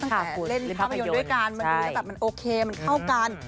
เล่นภาพยนตร์ด้วยกันมันดูแล้วแบบมันโอเคมันเข้ากัน